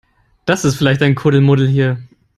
Das ist vielleicht ein Kuddelmuddel hier.